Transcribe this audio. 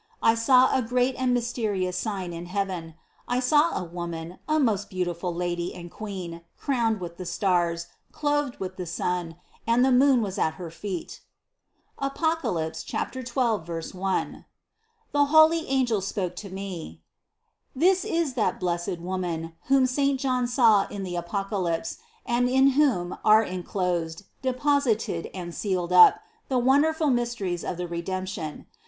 I saw a great and mysterious sign in heaven; I saw a Woman, a most beautiful Lady and Queen, crowned with the stars, clothed with the sun, and the moon was at her feet (Apoc. 12, 1). The holy an gels spoke to me: "This is that blessed Woman, whom Saint John saw in the Apocalypse, and in whom are en closed, deposited and sealed up the wonderful mysteries of the Redemption.